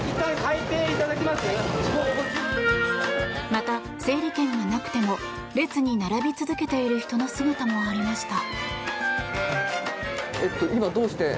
また、整理券がなくても列に並び続けている人の姿もありました。